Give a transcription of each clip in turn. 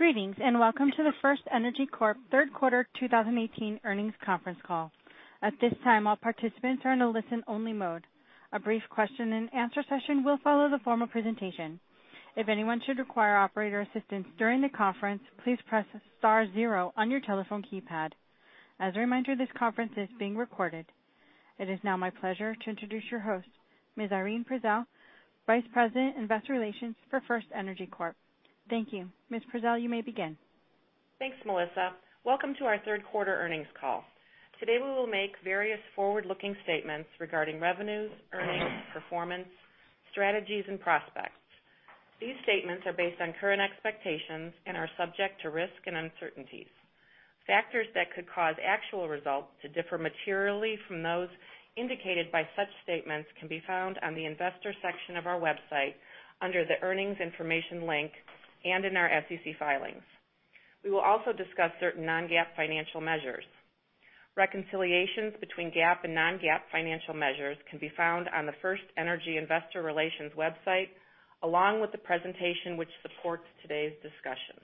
Greetings, and welcome to the FirstEnergy Corp third quarter 2018 earnings conference call. At this time, all participants are in a listen-only mode. A brief question and answer session will follow the formal presentation. If anyone should require operator assistance during the conference, please press star zero on your telephone keypad. As a reminder, this conference is being recorded. It is now my pleasure to introduce your host, Ms. Irene Prezel, Vice President, Investor Relations for FirstEnergy Corp. Thank you. Ms. Prezel, you may begin. Thanks, Melissa. Welcome to our third quarter earnings call. Today, we will make various forward-looking statements regarding revenues, earnings, performance, strategies, and prospects. These statements are based on current expectations and are subject to risk and uncertainties. Factors that could cause actual results to differ materially from those indicated by such statements can be found on the investor section of our website under the earnings information link and in our SEC filings. We will also discuss certain non-GAAP financial measures. Reconciliations between GAAP and non-GAAP financial measures can be found on the FirstEnergy investor relations website, along with the presentation which supports today's discussion.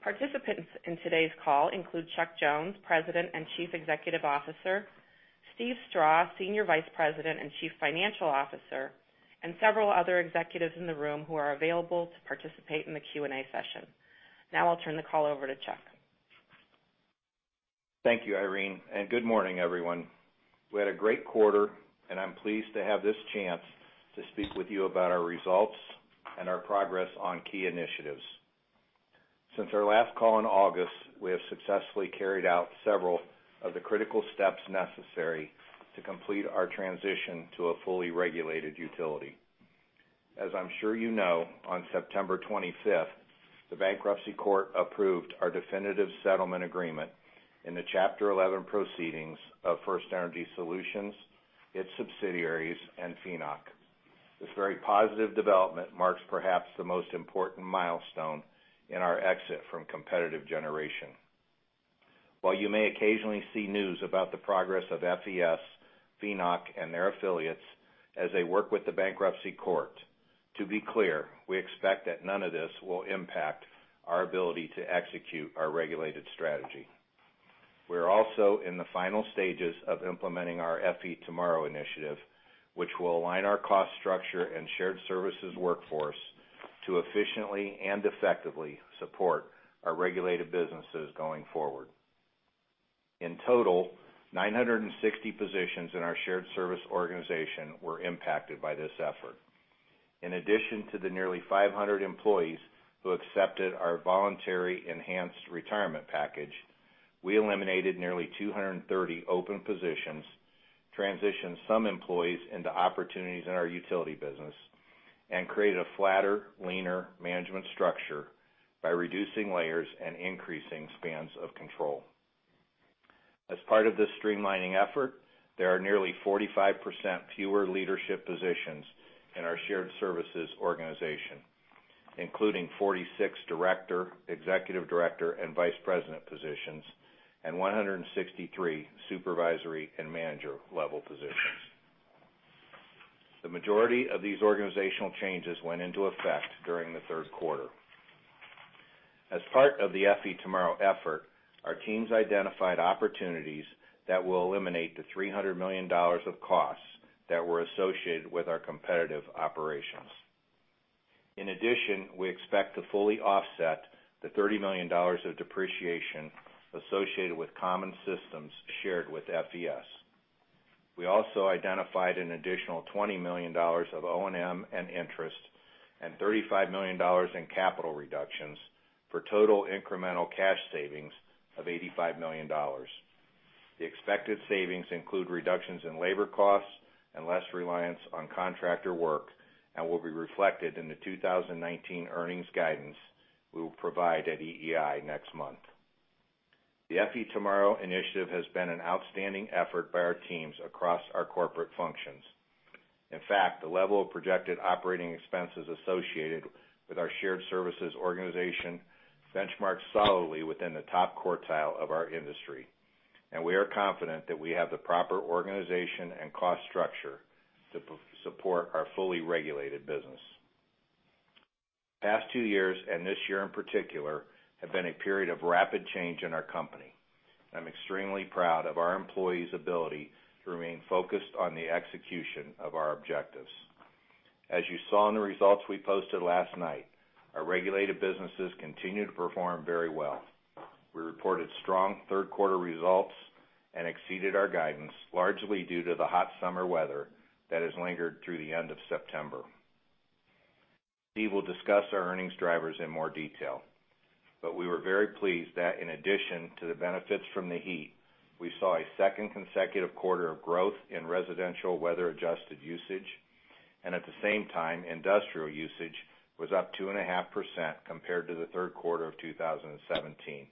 Participants in today's call include Chuck Jones, President and Chief Executive Officer, Steven Strah, Senior Vice President and Chief Financial Officer, and several other executives in the room who are available to participate in the Q&A session. Now I'll turn the call over to Chuck. Thank you, Irene, and good morning, everyone. We had a great quarter, and I'm pleased to have this chance to speak with you about our results and our progress on key initiatives. Since our last call in August, we have successfully carried out several of the critical steps necessary to complete our transition to a fully regulated utility. As I'm sure you know, on September 25th, the bankruptcy court approved our definitive settlement agreement in the Chapter 11 proceedings of FirstEnergy Solutions, its subsidiaries, and FENOC. This very positive development marks perhaps the most important milestone in our exit from competitive generation. While you may occasionally see news about the progress of FES, FENOC, and their affiliates as they work with the bankruptcy court, to be clear, we expect that none of this will impact our ability to execute our regulated strategy. We're also in the final stages of implementing our FE Tomorrow initiative, which will align our cost structure and shared services workforce to efficiently and effectively support our regulated businesses going forward. In total, 960 positions in our shared service organization were impacted by this effort. In addition to the nearly 500 employees who accepted our voluntary enhanced retirement package, we eliminated nearly 230 open positions, transitioned some employees into opportunities in our utility business, and created a flatter, leaner management structure by reducing layers and increasing spans of control. As part of this streamlining effort, there are nearly 45% fewer leadership positions in our shared services organization, including 46 director, executive director, and vice president positions, and 163 supervisory and manager-level positions. The majority of these organizational changes went into effect during the third quarter. As part of the FE Tomorrow effort, our teams identified opportunities that will eliminate the $300 million of costs that were associated with our competitive operations. In addition, we expect to fully offset the $30 million of depreciation associated with common systems shared with FES. We also identified an additional $20 million of O&M and interest and $35 million in capital reductions for total incremental cash savings of $85 million. The expected savings include reductions in labor costs and less reliance on contractor work and will be reflected in the 2019 earnings guidance we will provide at EEI next month. The FE Tomorrow initiative has been an outstanding effort by our teams across our corporate functions. The level of projected operating expenses associated with our shared services organization benchmarks solidly within the top quartile of our industry, and we are confident that we have the proper organization and cost structure to support our fully regulated business. The past two years, and this year in particular, have been a period of rapid change in our company. I'm extremely proud of our employees' ability to remain focused on the execution of our objectives. As you saw in the results we posted last night, our regulated businesses continue to perform very well. We reported strong third-quarter results and exceeded our guidance, largely due to the hot summer weather that has lingered through the end of September. Steve will discuss our earnings drivers in more detail, but we were very pleased that in addition to the benefits from the heat, we saw a second consecutive quarter of growth in residential weather-adjusted usage. At the same time, industrial usage was up 2.5% compared to the third quarter of 2017,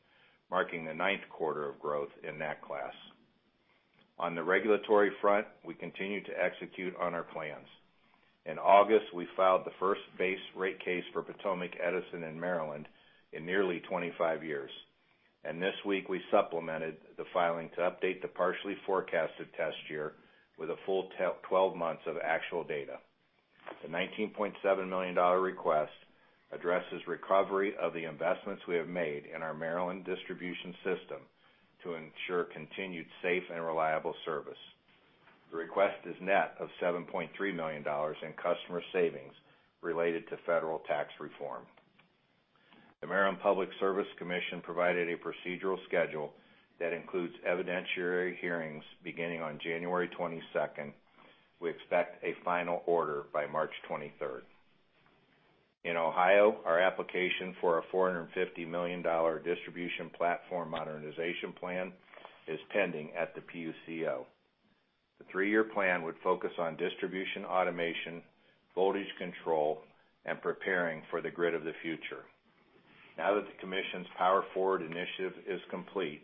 marking the ninth quarter of growth in that class. On the regulatory front, we continue to execute on our plans. In August, we filed the first base rate case for Potomac Edison in Maryland in nearly 25 years. This week we supplemented the filing to update the partially forecasted test year with a full 12 months of actual data. The $19.7 million request addresses recovery of the investments we have made in our Maryland distribution system to ensure continued safe and reliable service. The request is net of $7.3 million in customer savings related to federal tax reform. The Maryland Public Service Commission provided a procedural schedule that includes evidentiary hearings beginning on January 22nd. We expect a final order by March 23rd. In Ohio, our application for a $450 million distribution platform modernization plan is pending at the PUCO. The three-year plan would focus on distribution automation, voltage control, and preparing for the grid of the future. Now that the commission's Power Forward initiative is complete,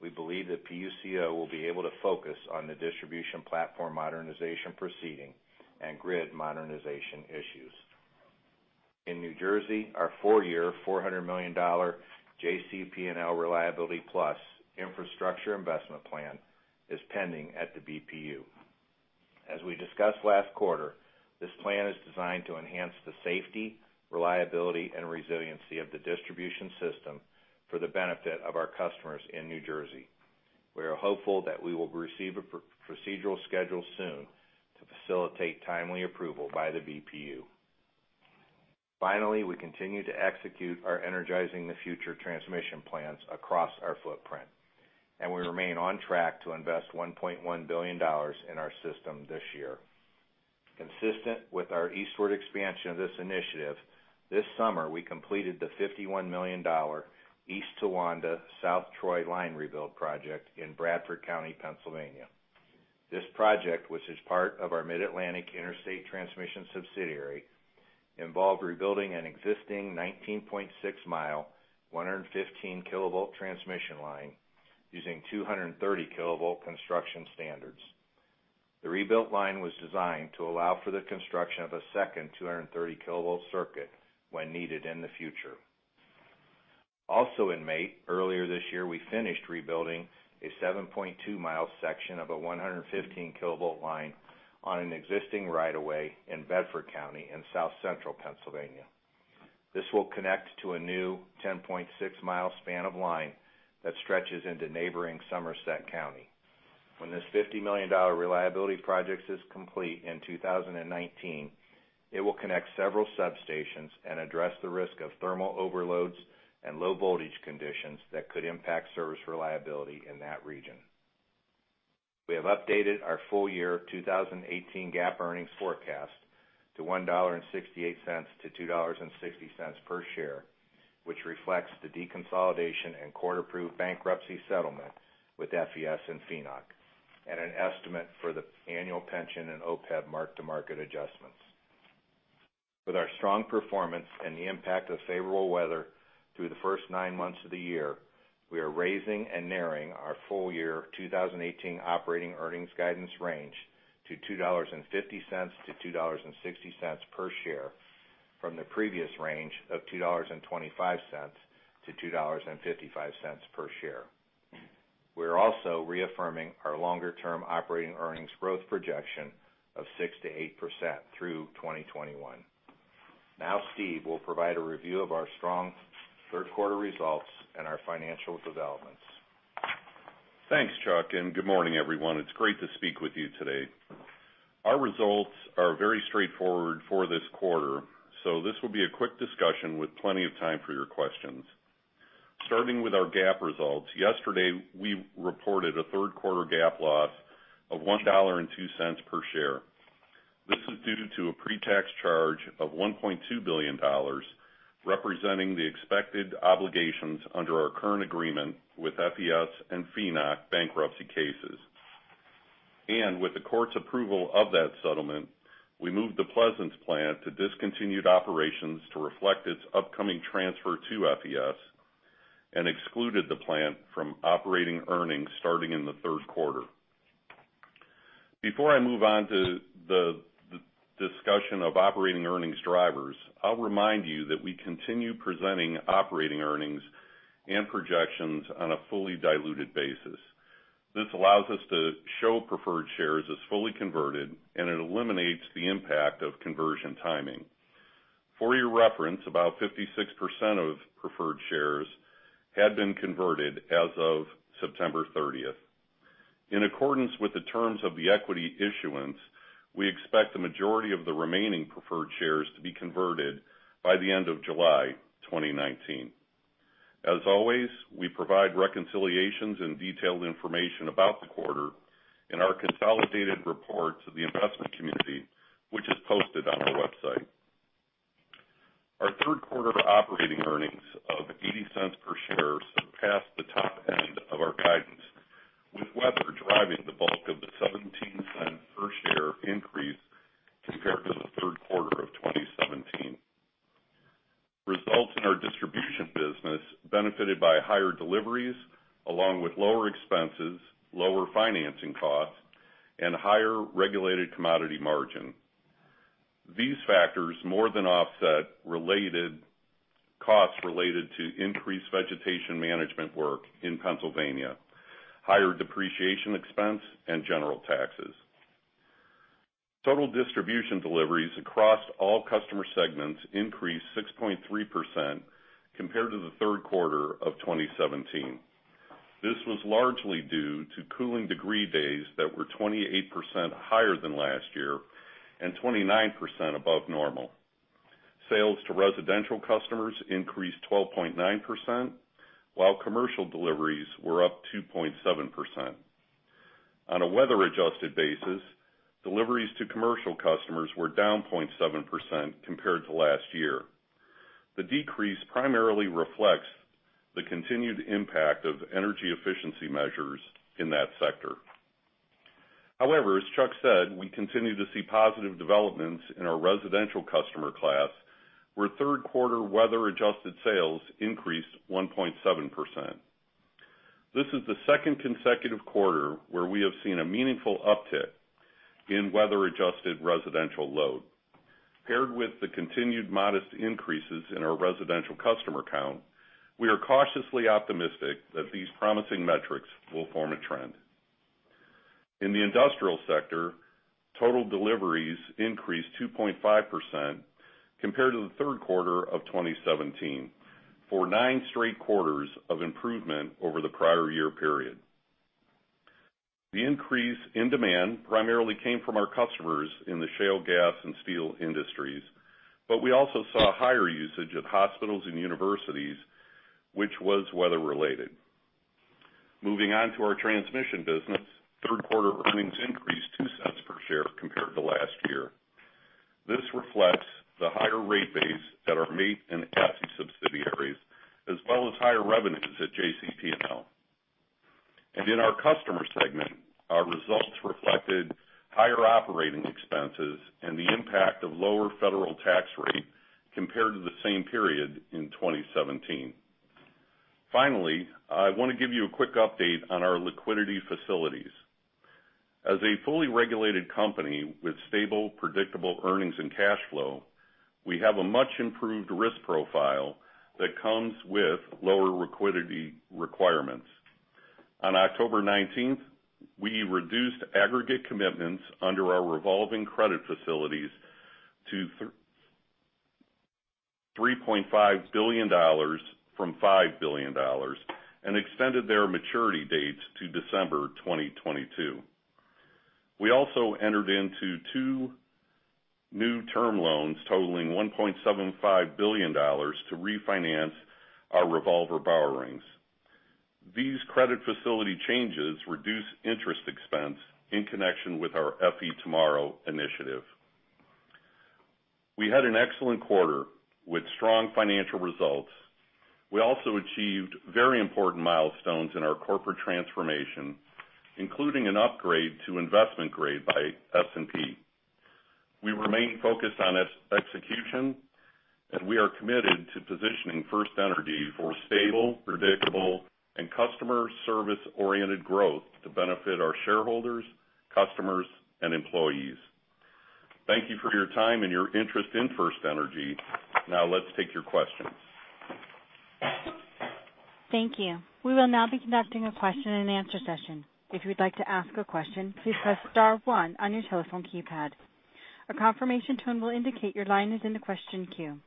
we believe that PUCO will be able to focus on the distribution platform modernization proceeding and grid modernization issues. In New Jersey, our four-year, $400 million JCP&L Reliability Plus infrastructure investment plan is pending at the BPU. As we discussed last quarter, this plan is designed to enhance the safety, reliability, and resiliency of the distribution system for the benefit of our customers in New Jersey. We are hopeful that we will receive a procedural schedule soon to facilitate timely approval by the BPU. Finally, we continue to execute our Energizing the Future transmission plans across our footprint, and we remain on track to invest $1.1 billion in our system this year. Consistent with our eastward expansion of this initiative, this summer, we completed the $51 million East Towanda-South Troy line rebuild project in Bradford County, Pennsylvania. This project, which is part of our Mid-Atlantic Interstate Transmission subsidiary, involved rebuilding an existing 19.6-mile, 115-kilovolt transmission line using 230-kilovolt construction standards. The rebuilt line was designed to allow for the construction of a second 230-kilovolt circuit when needed in the future. Also in May, earlier this year, we finished rebuilding a 7.2-mile section of a 115-kilovolt line on an existing right of way in Bedford County in South Central Pennsylvania. This will connect to a new 10.6-mile span of line that stretches into neighboring Somerset County. When this $50 million reliability project is complete in 2019, it will connect several substations and address the risk of thermal overloads and low-voltage conditions that could impact service reliability in that region. We have updated our full-year 2018 GAAP earnings forecast to $1.68 to $2.60 per share, which reflects the deconsolidation and court-approved bankruptcy settlement with FES and FENOC, and an estimate for the annual pension and OPEB mark-to-market adjustments. With our strong performance and the impact of favorable weather through the first nine months of the year, we are raising and narrowing our full-year 2018 operating earnings guidance range to $2.50 to $2.60 per share from the previous range of $2.25 to $2.55 per share. We are also reaffirming our longer-term operating earnings growth projection of 6% to 8% through 2021. Steve will provide a review of our strong third-quarter results and our financial developments. Thanks, Chuck, good morning, everyone. It is great to speak with you today. Our results are very straightforward for this quarter, this will be a quick discussion with plenty of time for your questions. Starting with our GAAP results, yesterday, we reported a third-quarter GAAP loss of $1.02 per share. This is due to a pre-tax charge of $1.2 billion, representing the expected obligations under our current agreement with FES and FENOC bankruptcy cases. With the court's approval of that settlement, we moved the Pleasants Plant to discontinued operations to reflect its upcoming transfer to FES and excluded the plant from operating earnings starting in the third quarter. Before I move on to the discussion of operating earnings drivers, I will remind you that we continue presenting operating earnings and projections on a fully diluted basis. This allows us to show preferred shares as fully converted, it eliminates the impact of conversion timing. For your reference, about 56% of preferred shares had been converted as of September 30th. In accordance with the terms of the equity issuance, we expect the majority of the remaining preferred shares to be converted by the end of July 2019. As always, we provide reconciliations and detailed information about the quarter in our consolidated report to the investment community, which is posted on our website. Our third-quarter operating earnings of $0.80 per share surpassed the top end of our guidance, with weather driving the bulk of the $0.17 per share increase compared to the third quarter of 2017. Results in our distribution business benefited by higher deliveries along with lower expenses, lower financing costs, and higher regulated commodity margin. These factors more than offset costs related to increased vegetation management work in Pennsylvania, higher depreciation expense, and general taxes. Total distribution deliveries across all customer segments increased 6.3% compared to the third quarter of 2017. This was largely due to cooling degree days that were 28% higher than last year and 29% above normal. Sales to residential customers increased 12.9%, while commercial deliveries were up 2.7%. On a weather-adjusted basis, deliveries to commercial customers were down 0.7% compared to last year. The decrease primarily reflects the continued impact of energy efficiency measures in that sector. However, as Chuck said, we continue to see positive developments in our residential customer class, where third-quarter weather-adjusted sales increased 1.7%. This is the second consecutive quarter where we have seen a meaningful uptick in weather-adjusted residential load. Paired with the continued modest increases in our residential customer count, we are cautiously optimistic that these promising metrics will form a trend. In the industrial sector, total deliveries increased 2.5% compared to the third quarter of 2017, for nine straight quarters of improvement over the prior year period. The increase in demand primarily came from our customers in the shale gas and steel industries, but we also saw higher usage at hospitals and universities, which was weather-related. Moving on to our transmission business, third-quarter earnings increased $0.02 per share compared to last year. This reflects the higher rate base at our MAIT and ATSI subsidiaries, as well as higher revenues at JCP&L. In our customer segment, our results reflected higher operating expenses and the impact of lower federal tax rate compared to the same period in 2017. Finally, I want to give you a quick update on our liquidity facilities. As a fully regulated company with stable, predictable earnings and cash flow, we have a much-improved risk profile that comes with lower liquidity requirements. On October 19th, we reduced aggregate commitments under our revolving credit facilities to $3.5 billion from $5 billion and extended their maturity dates to December 2022. We also entered into two new term loans totaling $1.75 billion to refinance our revolver borrowings. These credit facility changes reduce interest expense in connection with our FE Tomorrow initiative. We had an excellent quarter with strong financial results. We also achieved very important milestones in our corporate transformation, including an upgrade to investment grade by S&P. We remain focused on execution. We are committed to positioning FirstEnergy for stable, predictable, and customer service-oriented growth to benefit our shareholders, customers, and employees. Thank you for your time and your interest in FirstEnergy. Now, let's take your questions. Thank you. We will now be conducting a question-and-answer session. If you'd like to ask a question, please press star one on your telephone keypad. A confirmation tone will indicate your line is in the question queue.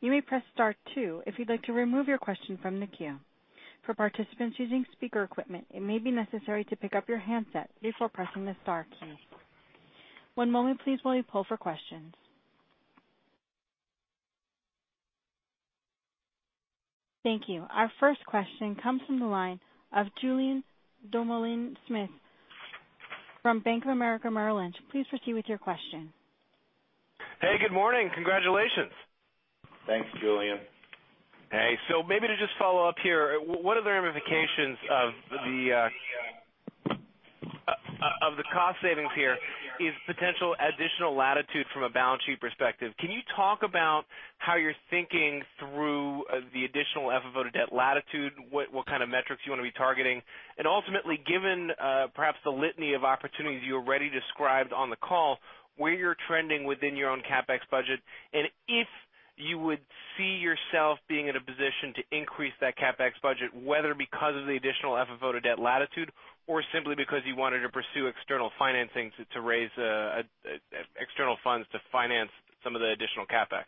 You may press star two if you'd like to remove your question from the queue. For participants using speaker equipment, it may be necessary to pick up your handset before pressing the star key. One moment please while we pull for questions. Thank you. Our first question comes from the line of Julien Dumoulin-Smith from Bank of America Merrill Lynch. Please proceed with your question. Hey, good morning. Congratulations. Thanks, Julien. Hey. Maybe to just follow up here, what are the ramifications of the cost savings here is potential additional latitude from a balance sheet perspective? Can you talk about how you're thinking through the additional FFO to debt latitude? What kind of metrics you want to be targeting? And ultimately, given perhaps the litany of opportunities you already described on the call, where you're trending within your own CapEx budget, and if you would see yourself being in a position to increase that CapEx budget, whether because of the additional FFO to debt latitude or simply because you wanted to pursue external financing to raise external funds to finance some of the additional CapEx?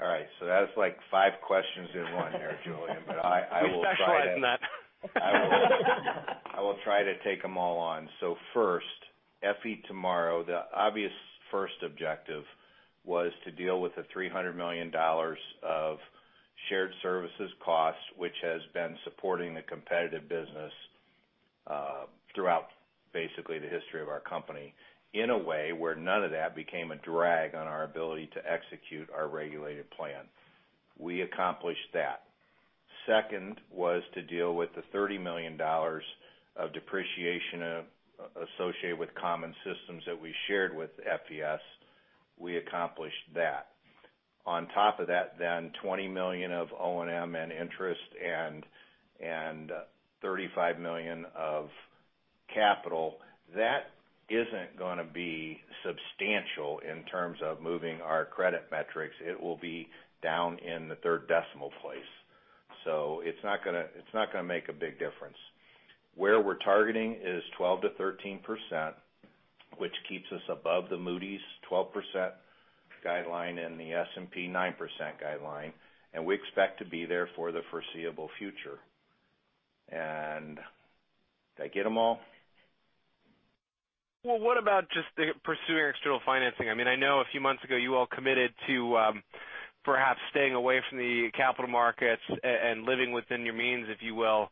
All right, that's like five questions in one there, Julien. We specialize in that. I will try to take them all on. First, FE Tomorrow, the obvious first objective was to deal with the $300 million of shared services costs, which has been supporting the competitive business throughout basically the history of our company in a way where none of that became a drag on our ability to execute our regulated plan. We accomplished that. Second was to deal with the $30 million of depreciation associated with common systems that we shared with FES. We accomplished that. On top of that, $20 million of O&M and interest and $35 million of capital. That isn't going to be substantial in terms of moving our credit metrics. It will be down in the third decimal place. It's not going to make a big difference. Where we're targeting is 12%-13%, which keeps us above the Moody's 12% guideline and the S&P 9% guideline, and we expect to be there for the foreseeable future. Did I get them all? Well, what about just pursuing external financing? I know a few months ago, you all committed to perhaps staying away from the capital markets and living within your means, if you will,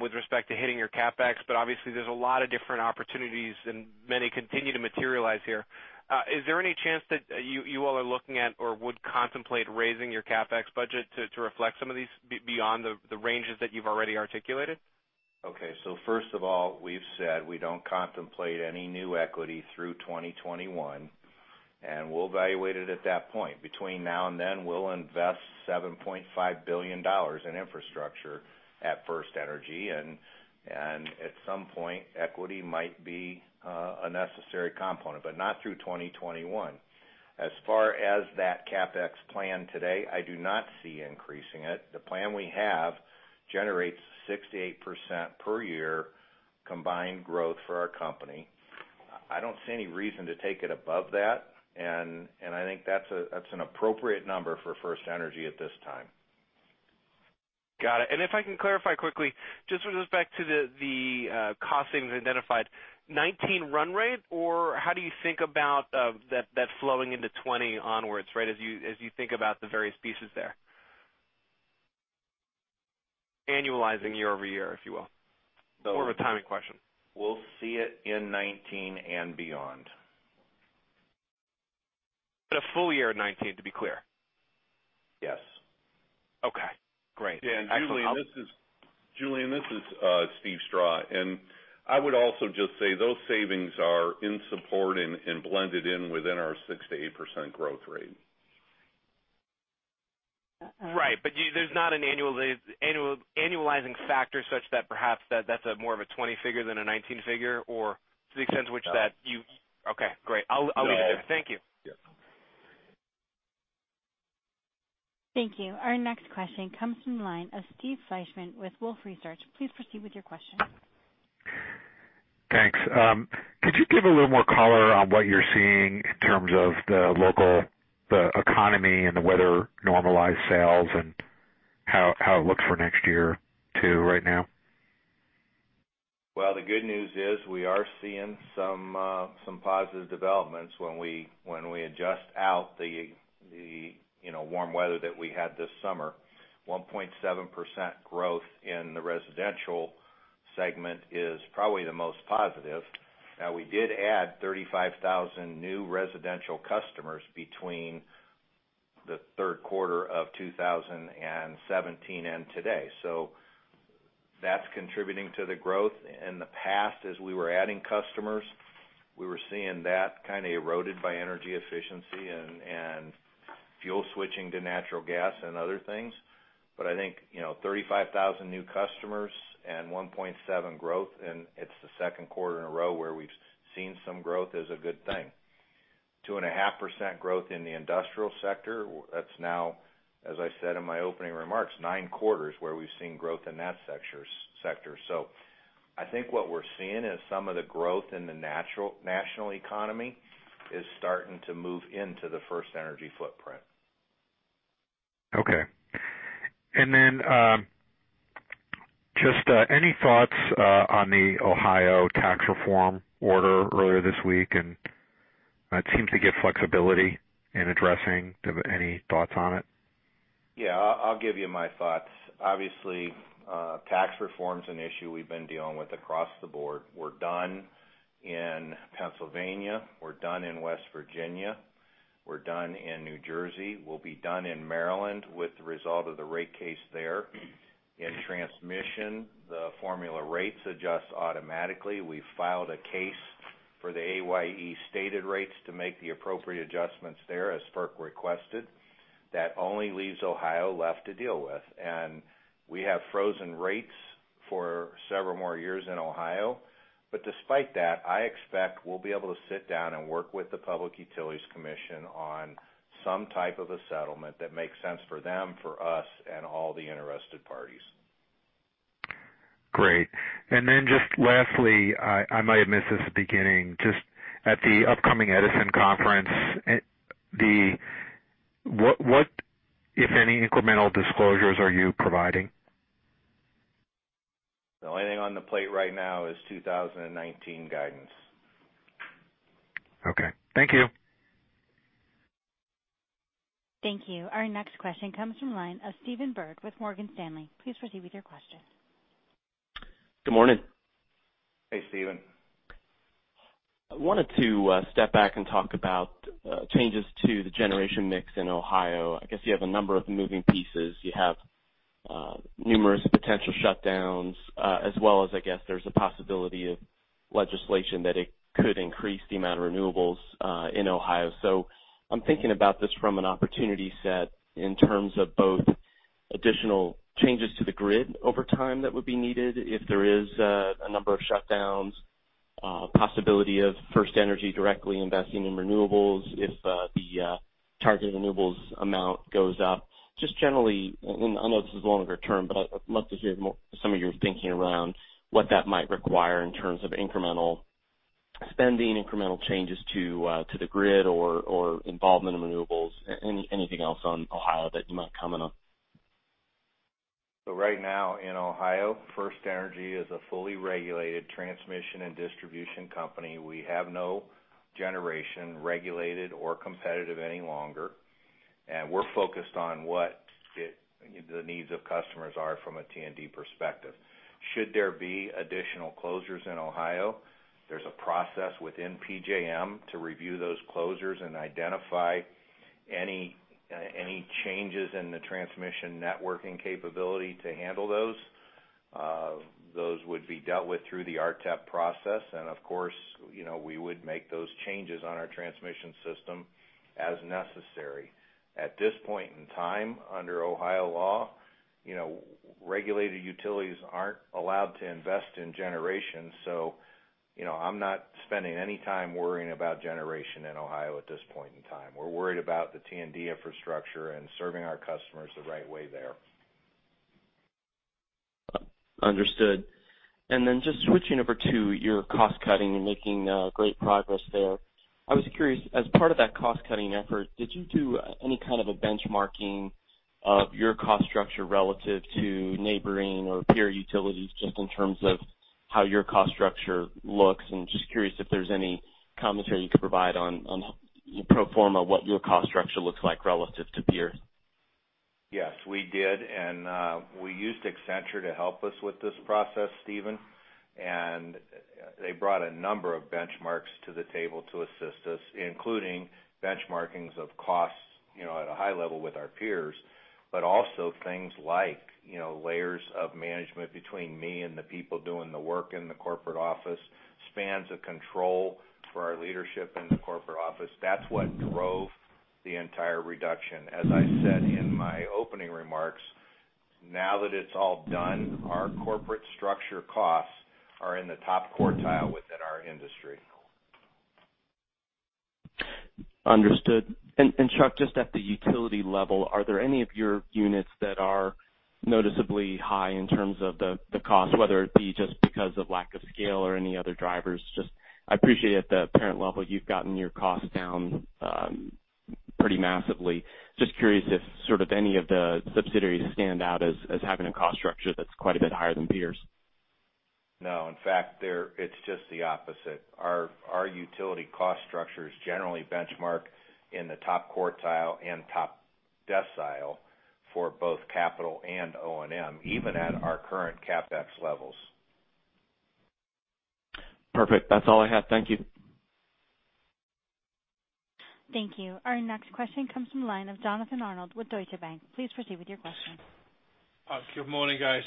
with respect to hitting your CapEx. Obviously, there's a lot of different opportunities and many continue to materialize here. Is there any chance that you all are looking at or would contemplate raising your CapEx budget to reflect some of these beyond the ranges that you've already articulated? Okay. First of all, we've said we don't contemplate any new equity through 2021, and we'll evaluate it at that point. Between now and then, we'll invest $7.5 billion in infrastructure at FirstEnergy, and at some point, equity might be a necessary component, but not through 2021. As far as that CapEx plan today, I do not see increasing it. The plan we have generates 6%-8% per year combined growth for our company. I don't see any reason to take it above that, and I think that's an appropriate number for FirstEnergy at this time. Got it. If I can clarify quickly, just with respect to the cost savings identified, 2019 run rate or how do you think about that flowing into 2020 onwards, as you think about the various pieces there? Annualizing year-over-year, if you will. More of a timing question. We'll see it in 2019 and beyond. A full year of 2019, to be clear? Yes. Okay, great. Yeah. Julien, this is Steven Strah. I would also just say those savings are in support and blended in within our 6%-8% growth rate. Right. there's not an annualizing factor such that perhaps that's more of a 2020 figure than a 2019 figure or to the extent which that. No. Okay, great. No. I'll leave it there. Thank you. Yeah. Thank you. Our next question comes from the line of Steve Fleishman with Wolfe Research. Please proceed with your question. Thanks. Could you give a little more color on what you're seeing in terms of the local economy and the weather-normalized sales, and how it looks for next year too right now? Well, the good news is we are seeing some positive developments when we adjust out the warm weather that we had this summer. 1.7% growth in the residential segment is probably the most positive. We did add 35,000 new residential customers between the third quarter of 2017 and today. That's contributing to the growth. In the past, as we were adding customers, we were seeing that kind of eroded by energy efficiency and fuel switching to natural gas and other things. I think, 35,000 new customers and 1.7% growth, and it's the second quarter in a row where we've seen some growth is a good thing. 2.5% growth in the industrial sector, that's now, as I said in my opening remarks, nine quarters where we've seen growth in that sector. I think what we're seeing is some of the growth in the national economy is starting to move into the FirstEnergy footprint. Okay. Just any thoughts on the Ohio tax reform order earlier this week? It seemed to give flexibility in addressing. Any thoughts on it? I'll give you my thoughts. Obviously, tax reform is an issue we've been dealing with across the board. We're done in Pennsylvania. We're done in West Virginia. We're done in New Jersey. We'll be done in Maryland with the result of the rate case there. In transmission, the formula rates adjust automatically. We filed a case for the EEI stated rates to make the appropriate adjustments there as FERC requested. That only leaves Ohio left to deal with. We have frozen rates for several more years in Ohio. Despite that, I expect we'll be able to sit down and work with the Public Utilities Commission on some type of a settlement that makes sense for them, for us, and all the interested parties. Great. Just lastly, I might have missed this at the beginning. Just at the upcoming Edison conference, what, if any, incremental disclosures are you providing? The only thing on the plate right now is 2019 guidance. Okay. Thank you. Thank you. Our next question comes from the line of Stephen Byrd with Morgan Stanley. Please proceed with your question. Good morning. Hey, Steven. I wanted to step back and talk about changes to the generation mix in Ohio. I guess you have a number of moving pieces. You have numerous potential shutdowns, as well as, I guess, there's a possibility of legislation that it could increase the amount of renewables in Ohio. I'm thinking about this from an opportunity set in terms of both additional changes to the grid over time that would be needed if there is a number of shutdowns, possibility of FirstEnergy directly investing in renewables if the targeted renewables amount goes up. Just generally, I know this is longer term, but I'd love to hear more some of your thinking around what that might require in terms of incremental spending, incremental changes to the grid or involvement in renewables. Anything else on Ohio that you might comment on? Right now in Ohio, FirstEnergy is a fully regulated transmission and distribution company. We have no generation, regulated or competitive any longer, and we're focused on what the needs of customers are from a T&D perspective. Should there be additional closures in Ohio, there's a process within PJM to review those closures and identify any changes in the transmission networking capability to handle those. Those would be dealt with through the RTEP process. Of course, we would make those changes on our transmission system as necessary. At this point in time, under Ohio law, regulated utilities aren't allowed to invest in generation. I'm not spending any time worrying about generation in Ohio at this point in time. We're worried about the T&D infrastructure and serving our customers the right way there. Understood. Then just switching over to your cost-cutting and making great progress there. I was curious, as part of that cost-cutting effort, did you do any kind of a benchmarking of your cost structure relative to neighboring or peer utilities, just in terms of how your cost structure looks? Just curious if there's any commentary you could provide on pro forma, what your cost structure looks like relative to peers. Yes, we did. We used Accenture to help us with this process, Steven. They brought a number of benchmarks to the table to assist us, including benchmarkings of costs at a high level with our peers. Also things like layers of management between me and the people doing the work in the corporate office, spans of control for our leadership in the corporate office. That's what drove the entire reduction. As I said in my opening remarks, now that it's all done, our corporate structure costs are in the top quartile within our industry. Understood. Chuck, just at the utility level, are there any of your units that are noticeably high in terms of the cost, whether it be just because of lack of scale or any other drivers? I appreciate at the parent level, you've gotten your costs down pretty massively. Just curious if any of the subsidiaries stand out as having a cost structure that's quite a bit higher than peers. No. In fact, it's just the opposite. Our utility cost structure is generally benchmarked in the top quartile and top decile for both capital and O&M, even at our current CapEx levels. Perfect. That's all I have. Thank you. Thank you. Our next question comes from the line of Jonathan Arnold with Deutsche Bank. Please proceed with your question. Good morning, guys.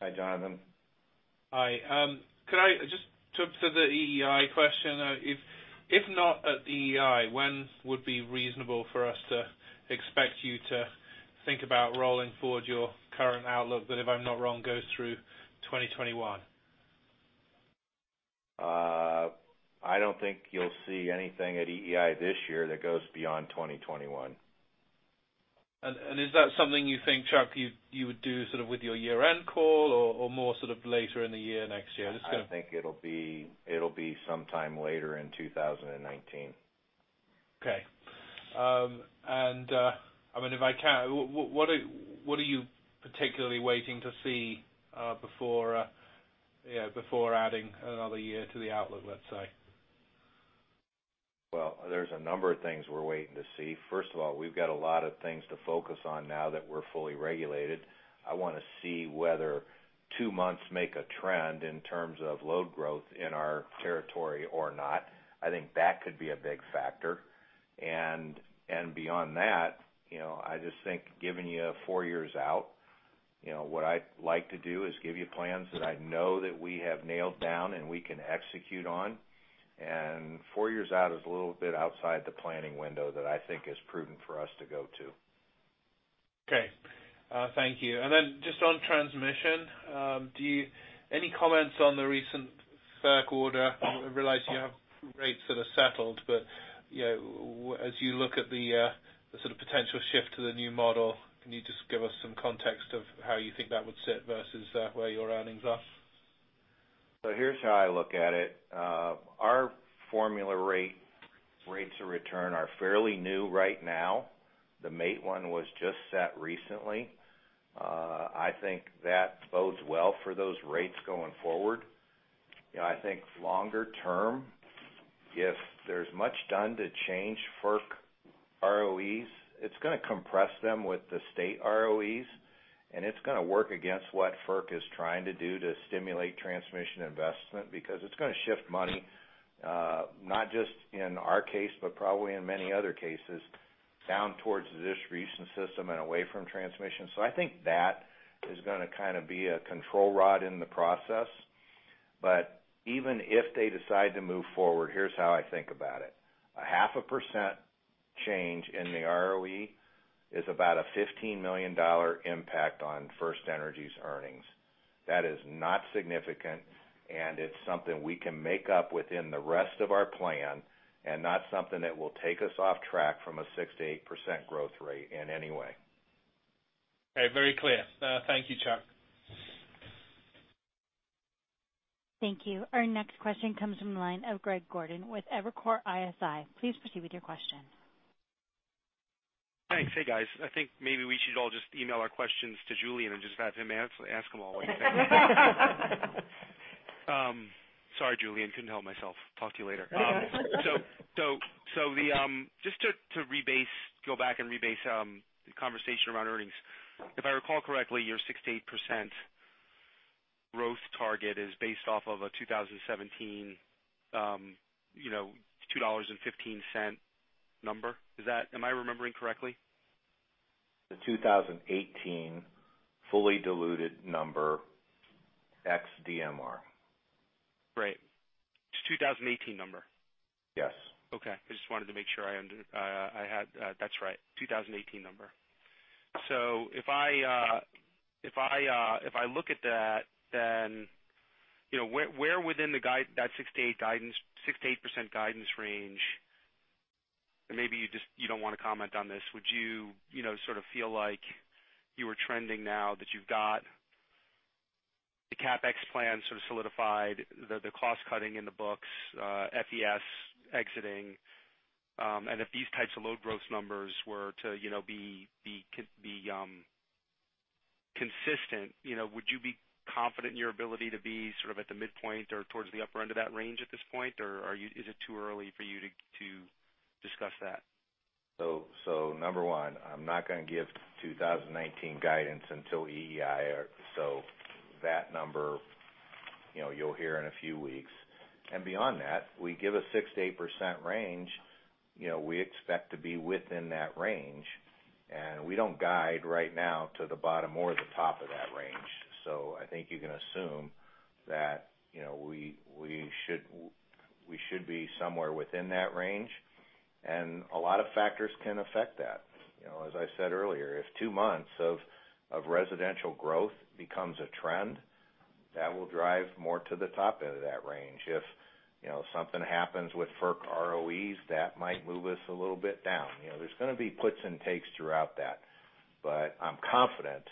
Hi, Jonathan. Hi. Could I just, to the EEI question, if not at EEI, when would be reasonable for us to expect you to think about rolling forward your current outlook that, if I'm not wrong, goes through 2021? I don't think you'll see anything at EEI this year that goes beyond 2021. Is that something you think, Chuck, you would do sort of with your year-end call or more sort of later in the year next year? I think it'll be sometime later in 2019. Okay. If I can, what are you particularly waiting to see before adding another year to the outlook, let's say? Well, there's a number of things we're waiting to see. First of all, we've got a lot of things to focus on now that we're fully regulated. I want to see whether two months make a trend in terms of load growth in our territory or not. I think that could be a big factor. Beyond that, I just think giving you four years out, what I'd like to do is give you plans that I know that we have nailed down and we can execute on. Four years out is a little bit outside the planning window that I think is prudent for us to go to. Okay. Thank you. Then just on transmission, any comments on the recent FERC order? I realize you have rates that are settled, but as you look at the sort of potential shift to the new model, can you just give us some context of how you think that would sit versus where your earnings are? Here's how I look at it. Our formula rates of return are fairly new right now. The MAIT one was just set recently. I think that bodes well for those rates going forward. I think longer term, if there's much done to change FERC ROEs, it's going to compress them with the state ROEs, and it's going to work against what FERC is trying to do to stimulate transmission investment because it's going to shift money, not just in our case, but probably in many other cases, down towards the distribution system and away from transmission. I think that is going to be a control rod in the process. Even if they decide to move forward, here's how I think about it. A half a percent change in the ROE is about a $15 million impact on FirstEnergy's earnings. That is not significant, and it's something we can make up within the rest of our plan and not something that will take us off track from a 6%-8% growth rate in any way. Very clear. Thank you, Chuck. Thank you. Our next question comes from the line of Greg Gordon with Evercore ISI. Please proceed with your question. Thanks. Hey, guys. I think maybe we should all just email our questions to Julien and just have him ask them all. Sorry, Julien. Couldn't help myself. Talk to you later. Just to go back and rebase the conversation around earnings. If I recall correctly, your 6%-8% growth target is based off of a 2017, $2.15. Am I remembering correctly? The 2018 fully diluted number ex-DMR. Right. It's 2018 number. Yes. Okay. I just wanted to make sure. That's right, 2018 number. If I look at that, then where within that 6%-8% guidance range, and maybe you don't want to comment on this, would you sort of feel like you are trending now that you've got the CapEx plan sort of solidified, the cost-cutting in the books, FES exiting. If these types of load growth numbers were to be consistent, would you be confident in your ability to be sort of at the midpoint or towards the upper end of that range at this point, or is it too early for you to discuss that? Number one, I'm not going to give 2019 guidance until EEI, so that number, you'll hear in a few weeks. Beyond that, we give a 6%-8% range. We expect to be within that range, we don't guide right now to the bottom or the top of that range. I think you can assume that we should be somewhere within that range. A lot of factors can affect that. As I said earlier, if two months of residential growth becomes a trend, that will drive more to the top end of that range. If something happens with FERC ROEs, that might move us a little bit down. There's going to be puts and takes throughout that, I'm confident,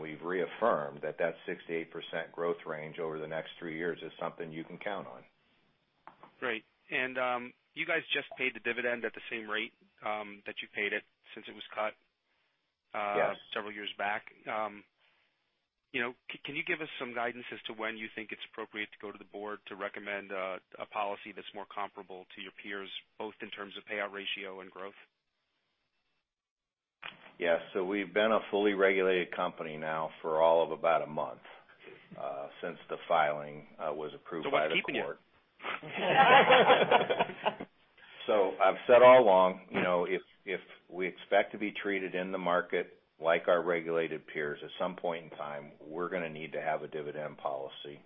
we've reaffirmed that 6%-8% growth range over the next three years is something you can count on. Great. You guys just paid the dividend at the same rate that you paid it since it was cut- Yes several years back. Can you give us some guidance as to when you think it's appropriate to go to the board to recommend a policy that's more comparable to your peers, both in terms of payout ratio and growth? Yes. We've been a fully regulated company now for all of about a month since the filing was approved by the court. What's keeping you? I've said all along, if we expect to be treated in the market like our regulated peers, at some point in time, we're going to need to have a dividend policy.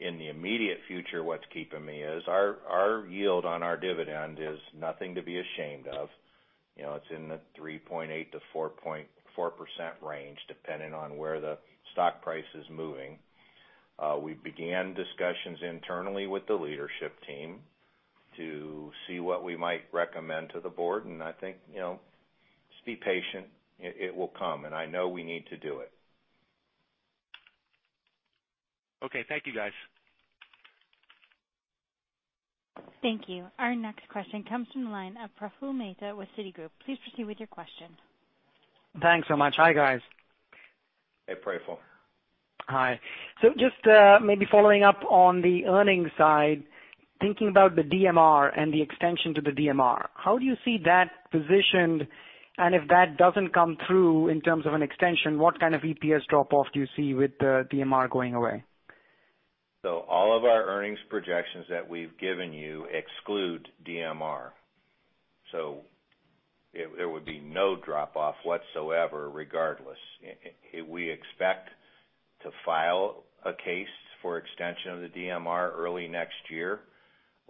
In the immediate future, what's keeping me is our yield on our dividend is nothing to be ashamed of. It's in the 3.8%-4.4% range, depending on where the stock price is moving. We began discussions internally with the leadership team to see what we might recommend to the board, and I think, just be patient. It will come, and I know we need to do it. Okay. Thank you, guys. Thank you. Our next question comes from the line of Praful Mehta with Citigroup. Please proceed with your question. Thanks so much. Hi, guys. Hey, Praful. Hi. Just maybe following up on the earnings side, thinking about the DMR and the extension to the DMR. How do you see that positioned, and if that doesn't come through in terms of an extension, what kind of EPS drop-off do you see with the DMR going away? All of our earnings projections that we've given you exclude DMR. There would be no drop-off whatsoever regardless. We expect to file a case for extension of the DMR early next year.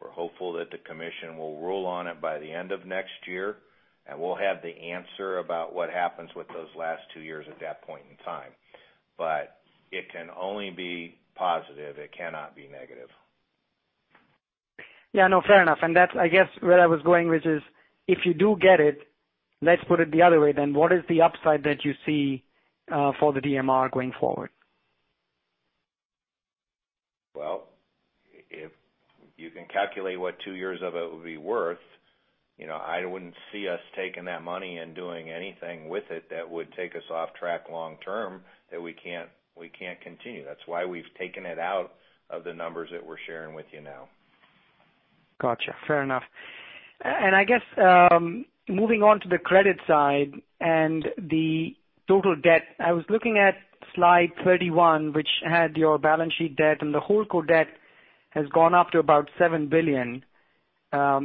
We're hopeful that the commission will rule on it by the end of next year, and we'll have the answer about what happens with those last two years at that point in time. It can only be positive. It cannot be negative. Yeah, no, fair enough. That's, I guess, where I was going, which is, if you do get it, let's put it the other way then. What is the upside that you see for the DMR going forward? Well, if you can calculate what two years of it would be worth, I wouldn't see us taking that money and doing anything with it that would take us off track long term that we can't continue. That's why we've taken it out of the numbers that we're sharing with you now. Got you. Fair enough. I guess, moving on to the credit side and the total debt. I was looking at slide 31, which had your balance sheet debt, and the whole core debt has gone up to about $7 billion.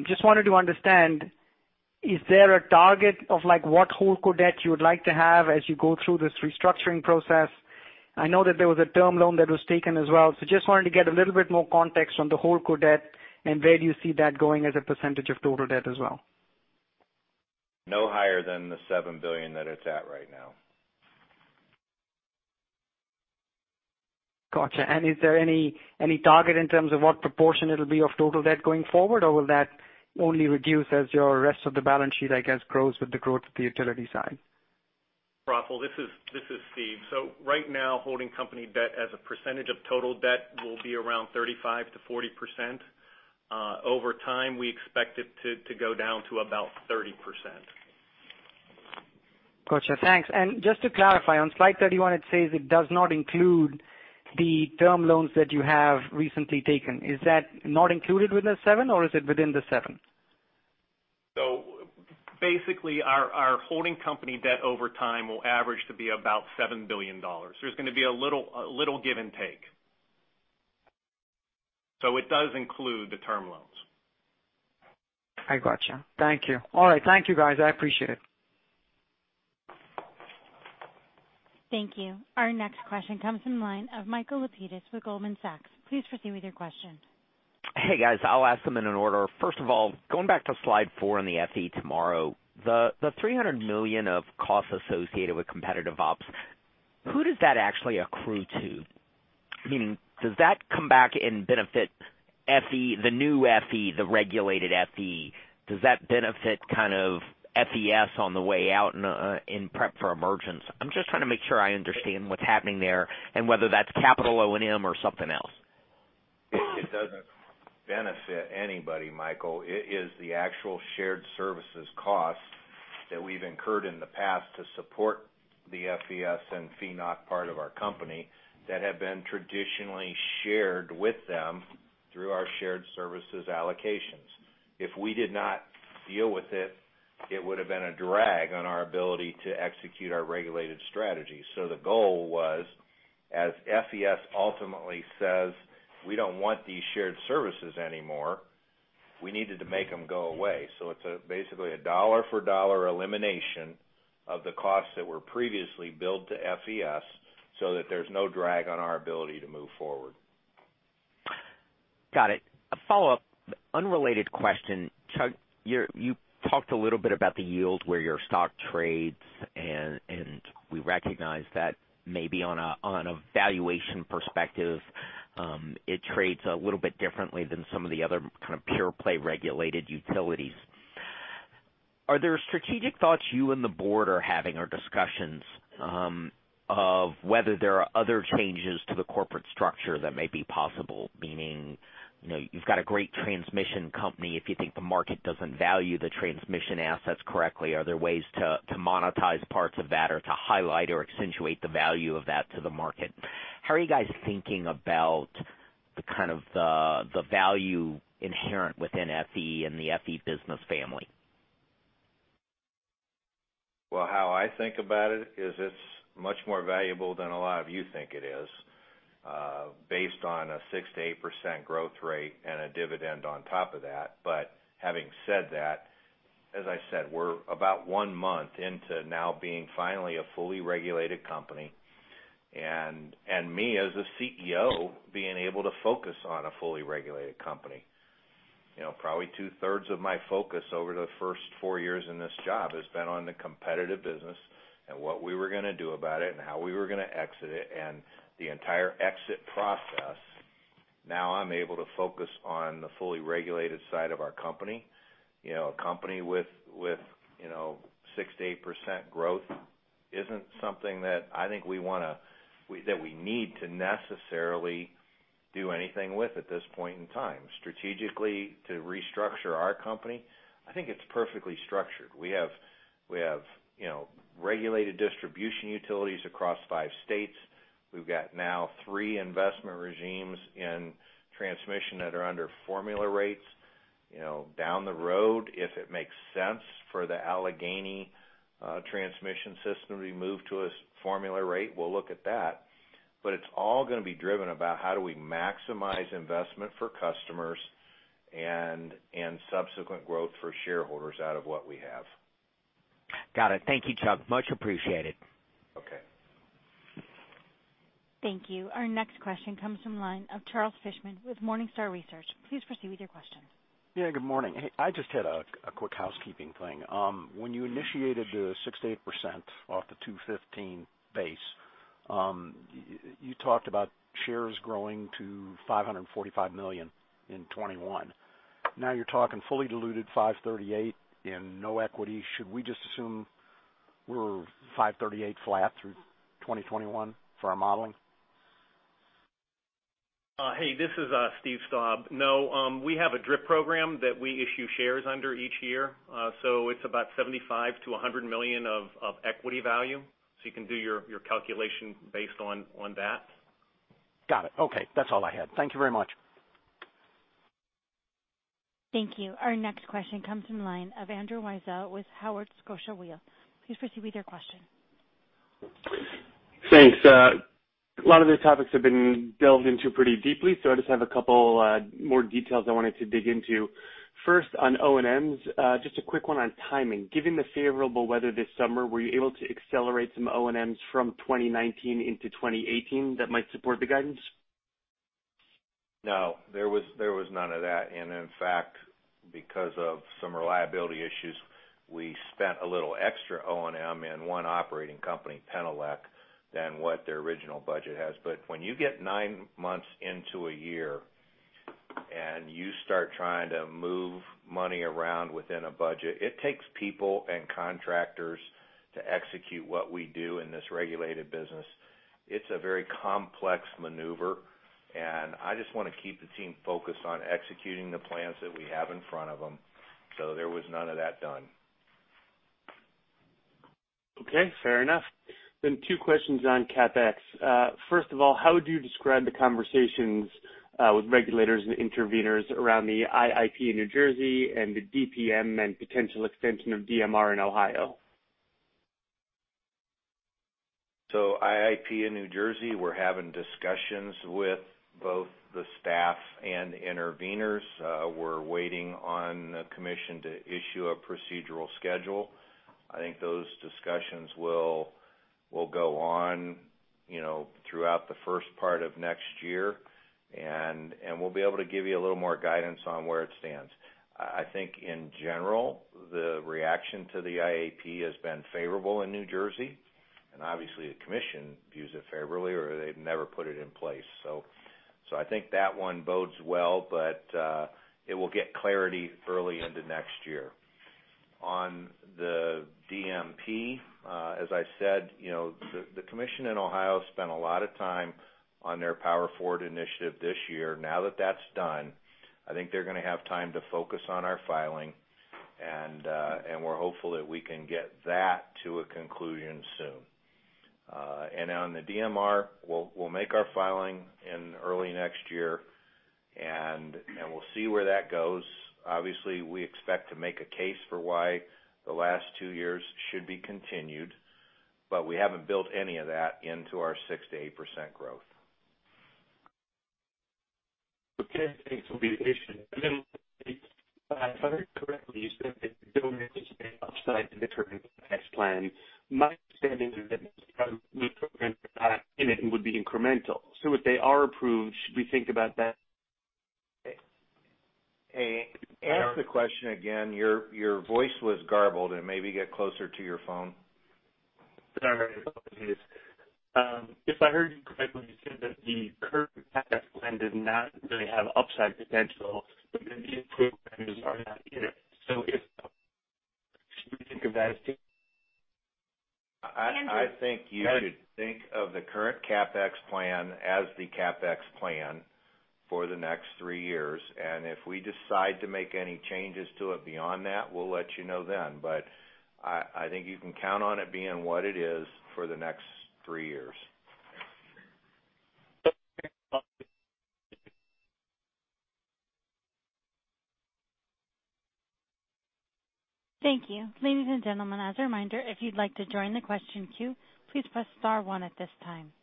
Just wanted to understand, is there a target of what whole core debt you would like to have as you go through this restructuring process? I know that there was a term loan that was taken as well, so just wanted to get a little bit more context on the whole core debt and where do you see that going as a percentage of total debt as well? No higher than the $7 billion that it's at right now. Got you. Is there any target in terms of what proportion it'll be of total debt going forward? Or will that only reduce as your rest of the balance sheet, I guess, grows with the growth of the utility side? Praful, this is Steve. Right now, holding company debt as a percentage of total debt will be around 35%-40%. Over time, we expect it to go down to about 30%. Got you. Thanks. Just to clarify, on slide 31, it says it does not include the term loans that you have recently taken. Is that not included within the seven or is it within the seven? Basically, our holding company debt over time will average to be about $7 billion. There's going to be a little give and take. It does include the term loans. I got you. Thank you. All right. Thank you guys. I appreciate it. Thank you. Our next question comes from the line of Michael Lapides with Goldman Sachs. Please proceed with your question. Hey, guys. I'll ask them in an order. First of all, going back to slide four in the FE Tomorrow, the $300 million of costs associated with competitive ops, who does that actually accrue to? Meaning, does that come back and benefit the new FE, the regulated FE? Does that benefit kind of FES on the way out in prep for emergence? I'm just trying to make sure I understand what's happening there and whether that's capital O&M or something else. It doesn't benefit anybody, Michael. It is the actual shared services cost that we've incurred in the past to support the FES and FENOC part of our company that have been traditionally shared with them through our shared services allocations. If we did not deal with it would have been a drag on our ability to execute our regulated strategy. The goal was, as FES ultimately says, we don't want these shared services anymore. We needed to make them go away. It's basically a dollar for dollar elimination of the costs that were previously billed to FES so that there's no drag on our ability to move forward. Got it. A follow-up, unrelated question. Chuck, you talked a little bit about the yield where your stock trades, and we recognize that maybe on a valuation perspective, it trades a little bit differently than some of the other kind of pure play regulated utilities. Are there strategic thoughts you and the board are having or discussions of whether there are other changes to the corporate structure that may be possible? Meaning, you've got a great transmission company. If you think the market doesn't value the transmission assets correctly, are there ways to monetize parts of that or to highlight or accentuate the value of that to the market? How are you guys thinking about the kind of the value inherent within FE and the FE business family? Well, how I think about it is it's much more valuable than a lot of you think it is, based on a 6%-8% growth rate and a dividend on top of that. Having said that, as I said, we're about 1 month into now being finally a fully regulated company, and me as a CEO, being able to focus on a fully regulated company. Probably two-thirds of my focus over the first 4 years in this job has been on the competitive business and what we were going to do about it and how we were going to exit it and the entire exit process. I'm able to focus on the fully regulated side of our company. A company with 6%-8% growth isn't something that I think that we need to necessarily do anything with at this point in time. Strategically, to restructure our company, I think it's perfectly structured. We have regulated distribution utilities across 5 states. We've got now 3 investment regimes in transmission that are under formula rates. Down the road, if it makes sense for the Allegheny transmission system to be moved to a formula rate, we'll look at that. It's all going to be driven about how do we maximize investment for customers and subsequent growth for shareholders out of what we have. Got it. Thank you, Chuck. Much appreciated. Okay. Thank you. Our next question comes from line of Charles Fishman with Morningstar Research. Please proceed with your question. Yeah, good morning. Hey, I just had a quick housekeeping thing. When you initiated the 6%-8% off the 215 base, you talked about shares growing to $545 million in 2021. Now you're talking fully diluted 538 in no equity. Should we just assume we're 538 flat through 2021 for our modeling? Hey, this is Steven Strah. No, we have a DRIP program that we issue shares under each year. It's about $75 million-$100 million of equity value. You can do your calculation based on that. Got it. Okay. That's all I had. Thank you very much. Thank you. Our next question comes from the line of Andrew Weisel with Scotiabank. Please proceed with your question. Thanks. A lot of the topics have been delved into pretty deeply, so I just have a couple more details I wanted to dig into. First, on O&M. Just a quick one on timing. Given the favorable weather this summer, were you able to accelerate some O&M from 2019 into 2018 that might support the guidance? No, there was none of that. In fact, because of some reliability issues, we spent a little extra O&M in one operating company, Penelec, than what their original budget has. When you get nine months into a year and you start trying to move money around within a budget, it takes people and contractors to execute what we do in this regulated business. It's a very complex maneuver, and I just want to keep the team focused on executing the plans that we have in front of them. There was none of that done. Okay, fair enough. Two questions on CapEx. First of all, how would you describe the conversations with regulators and interveners around the IAP in New Jersey and the DMP and potential extension of DMR in Ohio? IAP in New Jersey, we're having discussions with both the staff and interveners. We're waiting on the commission to issue a procedural schedule. I think those discussions will go on throughout the first part of next year, and we'll be able to give you a little more guidance on where it stands. I think in general, the reaction to the IAP has been favorable in New Jersey, and obviously, the commission views it favorably or they'd never put it in place. I think that one bodes well, but it will get clarity early into next year. On the DMP, as I said, the commission in Ohio spent a lot of time on their Power Forward initiative this year. Now that that's done, I think they're going to have time to focus on our filing, and we're hopeful that we can get that to a conclusion soon. On the DMR, we'll make our filing in early next year, and we'll see where that goes. Obviously, we expect to make a case for why the last two years should be continued, but we haven't built any of that into our 6%-8% growth. Okay. Thanks. If I heard correctly, you said that upside in the current CapEx plan. My understanding is that programs are not in it and would be incremental. If they are approved, should we think about that? Ask the question again. Your voice was garbled, and maybe get closer to your phone. Sorry. Apologies. If I heard you correctly, you said that the current CapEx plan did not really have upside potential, but the improvements are not in it. Should we think of that as? Andrew? I think you should think of the current CapEx plan as the CapEx plan for the next three years. If we decide to make any changes to it beyond that, we'll let you know then. I think you can count on it being what it is for the next three years. Thank you. Ladies and gentlemen, as a reminder, if you'd like to join the question queue, please press star one at this time.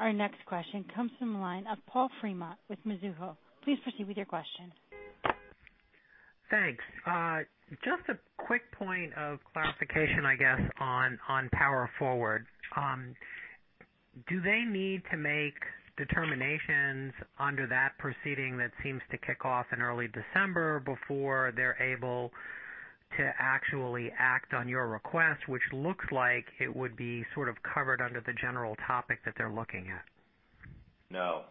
Our next question comes from the line of Paul Fremont with Mizuho. Please proceed with your question. Thanks. Just a quick point of clarification, I guess, on Power Forward. Do they need to make determinations under that proceeding that seems to kick off in early December before they're able to actually act on your request, which looks like it would be sort of covered under the general topic that they're looking at? No,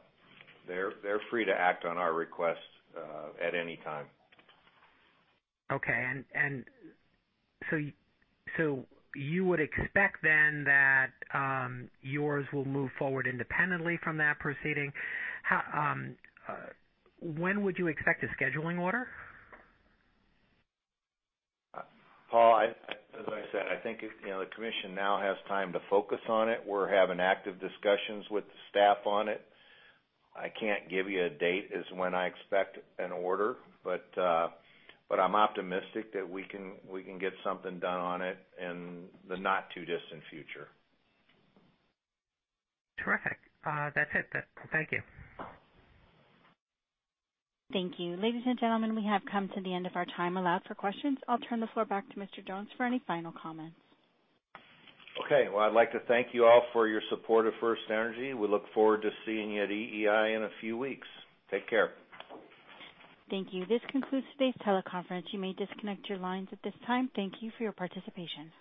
they're free to act on our request at any time. Okay. You would expect then that yours will move forward independently from that proceeding? When would you expect a scheduling order? Paul, as I said, I think the commission now has time to focus on it. We're having active discussions with the staff on it. I can't give you a date as when I expect an order, but I'm optimistic that we can get something done on it in the not-too-distant future. Terrific. That's it, then. Thank you. Thank you. Ladies and gentlemen, we have come to the end of our time allowed for questions. I'll turn the floor back to Mr. Jones for any final comments. Okay. Well, I'd like to thank you all for your support of FirstEnergy. We look forward to seeing you at EEI in a few weeks. Take care. Thank you. This concludes today's teleconference. You may disconnect your lines at this time. Thank you for your participation.